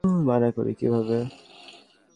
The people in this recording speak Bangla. মানা করি কীভাবে।